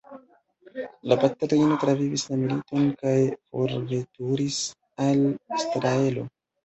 La patrino travivis la militon kaj forveturis al Israelo.